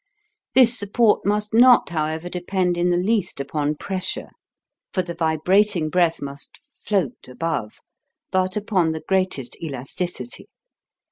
This support must not, however, depend in the least upon pressure, for the vibrat ing breath must float above, but upon the greatest elasticity.